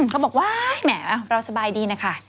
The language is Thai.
เขาบอกว่าแหมเราสบายดีนะคะ